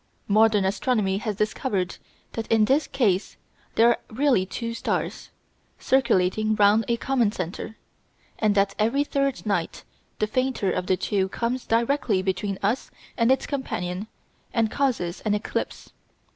Modern astronomy has discovered that in this case there are really two stars, circulating round a common centre, and that every third night the fainter of the two comes directly between us and its companion and causes an "eclipse."